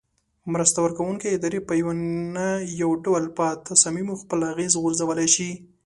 مرسته ورکوونکې ادارې په یو نه یو ډول په تصامیمو خپل اغیز غورځولای شي.